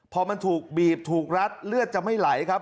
พอมันถูกบีบถูกรัดเลือดจะไม่ไหลครับ